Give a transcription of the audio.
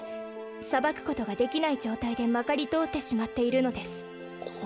裁くことができない状態でまかり通ってしまっているのです